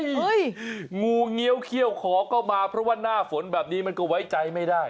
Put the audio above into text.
งูเงี้ยวเขี้ยวขอก็มาเพราะว่าหน้าฝนแบบนี้มันก็ไว้ใจไม่ได้